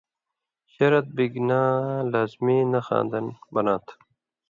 شرط بِگِناں لازمی نخاں دن بناں تھُو۔